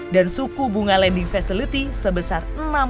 dan suku bunga lending facility sebesar enam tujuh puluh lima